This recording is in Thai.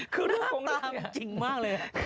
คือเรื่องตามจริงมากเลย